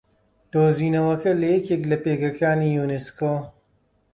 دوزینەوەکە لە یەکێک لە پێگەکانی یوونسکۆ